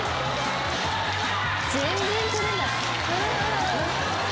全然取れない。